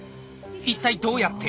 一体どうやって？